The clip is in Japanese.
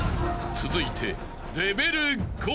［続いて］